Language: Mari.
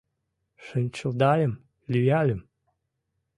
Шинчылдальым, лӱяльым